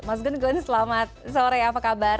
mas gun gun selamat sore apa kabar